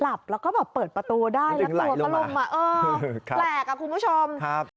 หลับแล้วก็แบบเปิดประตูได้แล้วก็หล่วงมาแหลกครับคุณผู้ชม